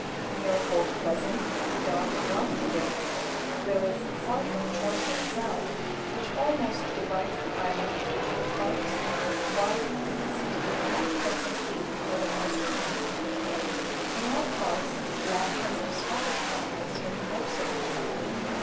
Near Port Pleasant dark brown prevails, whereas south of Choiseul Sound (which almost divides the island into two parts), white beasts with black heads and feet are the most common: in all parts black, and some spotted animals may be observed.